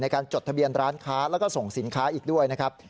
การจดทะเบียนร้านค้าแล้วก็ส่งสินค้าอีกด้วยนะครับ